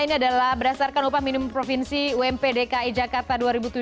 ini adalah berdasarkan upah minimum provinsi ump dki jakarta dua ribu tujuh belas